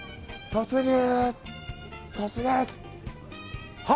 突入！